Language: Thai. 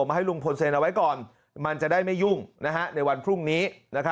มาให้ลุงพลเซ็นเอาไว้ก่อนมันจะได้ไม่ยุ่งในวันพรุ่งนี้